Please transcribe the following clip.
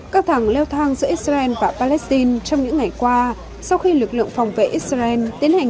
căng thẳng leo thang giữa israel và palestine trong những ngày qua sau khi lực lượng phòng vệ israel tiến hành